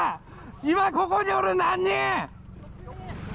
今、ここにおるの何人？